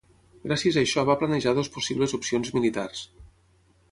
Gràcies a això va planejar dues possibles opcions militars.